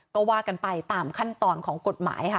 ก็ว่ากันไปตามขั้นตอนของกฎหมายค่ะ